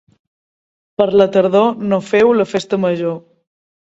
Per la tardor no feu la festa major.